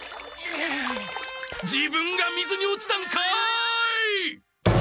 自分が水に落ちたんかい！